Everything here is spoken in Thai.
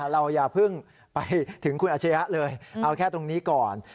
อย่าเพิ่งไปถึงคุณอาชญะเลยเอาแค่ตรงนี้ก่อน